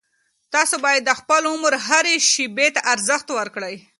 تاسو باید د خپل عمر هرې شېبې ته ارزښت ورکړئ.